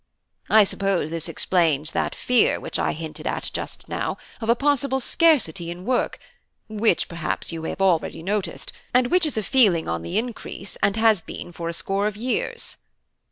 I suppose this explains that fear, which I hinted at just now, of a possible scarcity in work, which perhaps you have already noticed, and which is a feeling on the increase, and has been for a score of years."